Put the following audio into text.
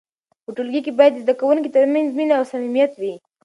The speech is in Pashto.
په ټولګي کې باید د زده کوونکو ترمنځ مینه او صمیمیت وي.